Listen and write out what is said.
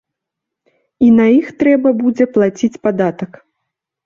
І на іх трэба будзе плаціць падатак.